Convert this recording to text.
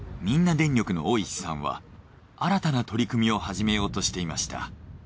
みんな電力の大石さんは新たな取り組みを始めようとしていました。